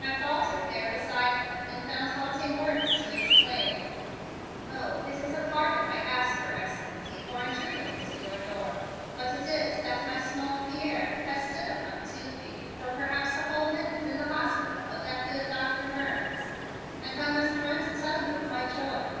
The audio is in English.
I faltered there beside him and found halting words to exclaim: "Oh, it is a pardon I ask Your Excellency for intruding into your door, but it is that my small Pierre has stood upon two feet for perhaps a whole minute in the hospital of that good Dr. Burns and I must run to tell you of my joy.